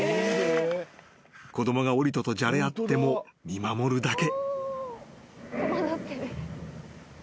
［子供がオリトとじゃれ合っても見守るだけ］